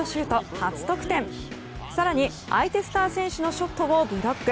更に、相手スター選手のショットをブロック。